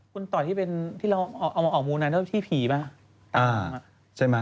คุณต่อที่เราเอาออกโมนไหนที่ผีไหม